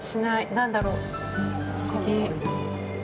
何だろう、不思議。